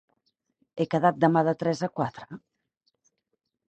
He quedat demà de tres a quatre?